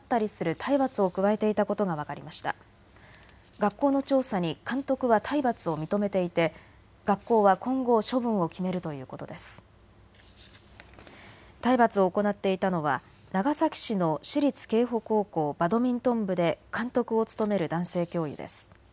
体罰を行っていたのは長崎市の私立瓊浦高校バドミントン部で監督を務める男性教諭です。